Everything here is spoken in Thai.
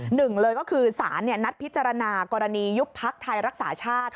หนึ่งเลยก็คือสารนัดพิจารณากรณียุบพักไทยรักษาชาติ